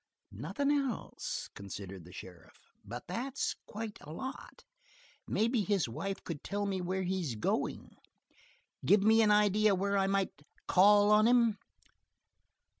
"Nothing else," considered the sheriff, "but that's quite a lot. Maybe his wife could tell me where he's going? Give me an idea where I might call on him?"